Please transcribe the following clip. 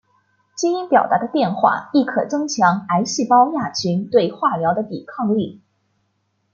基因表达的变化亦可增强癌细胞亚群对化疗的抵抗力。